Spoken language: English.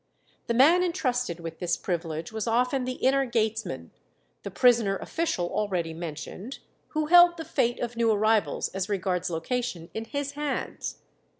The man intrusted with this privilege was often the inner gatesman, the prisoner official already mentioned, who held the fate of new arrivals as regards location in his hands.